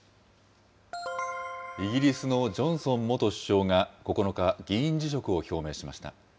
イギリスのジョンソン元首相が、９日、議員辞職を表明しました。